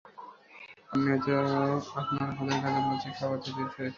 আপনি হয়তো আপনার হাতের কারণে লজ্জায় খাবার থেকে দূরে সরে আছেন।